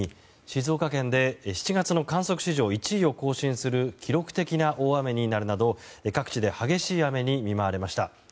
静岡県で７月の観測史上１位を更新する記録的な大雨になるなど、各地で激しい雨に見舞われました。